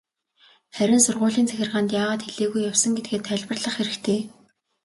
Харин сургуулийн захиргаанд яагаад хэлээгүй явсан гэдгээ тайлбарлах хэрэгтэй.